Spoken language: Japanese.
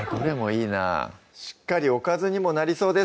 しっかりおかずにもなりそうです